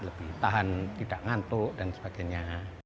bertahan tidak ngantuk dan sebagainya